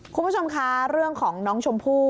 คุณผู้ชมคะเรื่องของน้องชมพู่